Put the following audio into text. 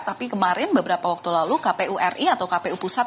tapi kemarin beberapa waktu lalu kpu ri atau kpu pusat